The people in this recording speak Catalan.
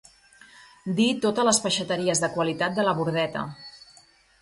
Dir totes les peixateries de qualitat de la Bordeta.